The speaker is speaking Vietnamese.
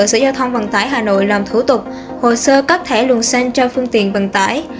sở giao thông vận tải hà nội làm thủ tục hồ sơ cấp thẻ luồng xanh cho phương tiện vận tải